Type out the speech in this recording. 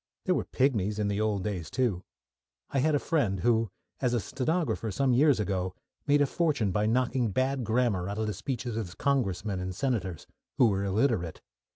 There were pigmies in the old days, too. I had a friend who, as a stenographer some years ago, made a fortune by knocking bad grammar out of the speeches of Congressmen and Senators, who were illiterate.